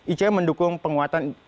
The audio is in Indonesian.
ic mendukung penguatan